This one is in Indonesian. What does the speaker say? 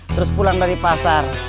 terus pulang dari pasar